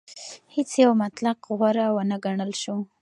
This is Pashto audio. هیڅ یو مطلق غوره ونه ګڼل شو.